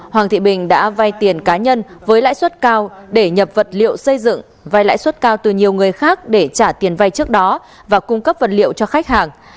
hoàng thị bình đã vay tiền cá nhân với lãi suất cao để nhập vật liệu xây dựng vai lãi suất cao từ nhiều người khác để trả tiền vay trước đó và cung cấp vật liệu cho khách hàng